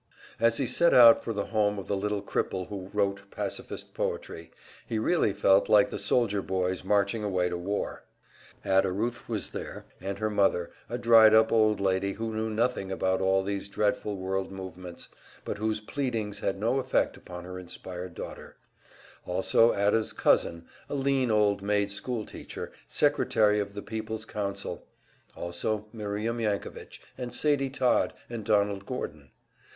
As he set out for the home of the little cripple who wrote pacifist poetry, he really felt like the soldier boys marching away to war. Ada Ruth was there, and her mother, a dried up old lady who knew nothing about all these dreadful world movements, but whose pleadings had no effect upon her inspired daughter; also Ada's cousin, a lean old maid school teacher, secretary of the Peoples' Council; also Miriam Yankovitch, and Sadie Todd, and Donald Gordon.